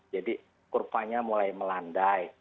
jadi kurvanya mulai melandai